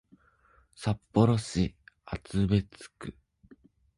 札幌市厚別区